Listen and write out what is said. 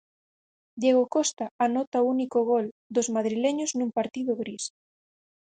Diego Costa anota o único gol dos madrileños nun partido gris.